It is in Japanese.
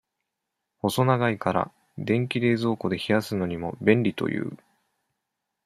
細長いから、電気冷蔵庫で冷やすのにも、便利という。